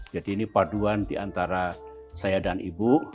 jadi ini paduan diantara saya dan ibu